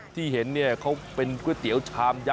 ที่เห็นเนี่ยเพราะเป็นก๋วยเตี๋ยวชามยักษ์เบิร์นท่ำ